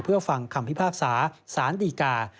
เพื่อฟังคำพิพากษาสารดีกา